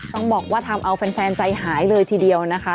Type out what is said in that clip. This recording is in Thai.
ต้องบอกว่าทำเอาแฟนใจหายเลยทีเดียวนะคะ